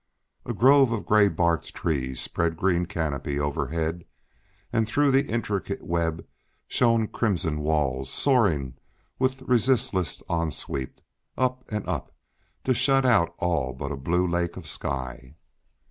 A grove of gray barked trees spread green canopy overhead, and through the intricate web shone crimson walls, soaring with resistless onsweep up and up to shut out all but a blue lake of sky.